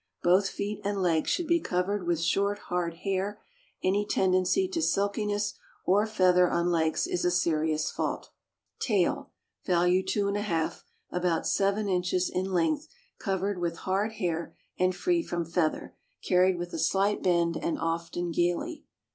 Both feet and legs should be covered with short, hard hair; any tendency to silkiness or feather on legs is a serious fault. Tail (value 2J) about seven inches in length, covered with hard hair, and free from feather; carried with a slight bend, and often gaily.